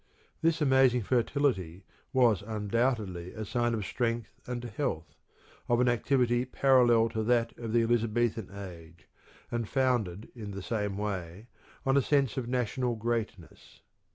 This amazing fertility was undoubtedly a sign of strength and health, of an activity parallel to that of the Elizabethan age, and founded in the same way on a sense of national greatness.